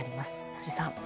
辻さん。